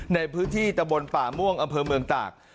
ในพื้นที่ตะบนป่าม่วงอำเภอเมืองตาก